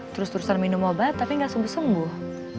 terus terusan minum obat tapi gak sembuh sembuh